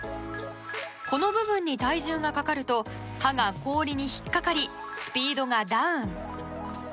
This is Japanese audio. この部分に体重がかかると刃が氷に引っかかりスピードがダウン。